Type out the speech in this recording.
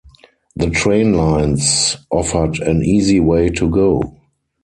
The train lines offered an easy way to go.